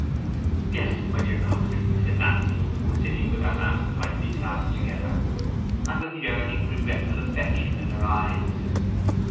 "Yes, my dear Godfrey," said Nancy, who was sitting with her hands tightly clasped together, and with yearning, regretful affection in her eyes.